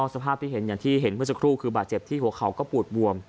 สภาพที่เห็นอย่างที่เห็นเมื่อสักครู่คือบาดเจ็บที่หัวเข่าก็ปูดบวม